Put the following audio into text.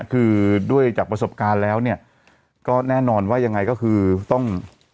คือด้วยจากประสบการณ์แล้วเนี่ยก็แน่นอนว่ายังไงก็คือต้อง